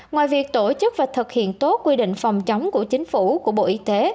ngoài việc tổ chức và thực hiện tốt quy định phòng chống của chính phủ của bộ y tế